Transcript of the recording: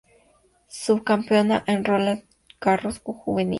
Subcampeona en Roland Garros Juvenil.